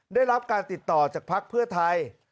ได้รับการติดต่อจากภักดิ์เพื่อไทย